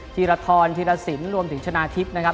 ธีรทรธีรสินรวมถึงชนะทิพย์นะครับ